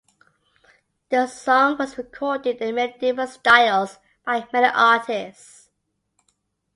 The song was recorded in many different styles by many artists.